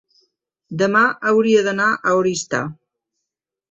demà hauria d'anar a Oristà.